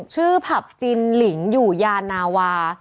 ชื่อผับจีนหลิงอยู่ยานาวา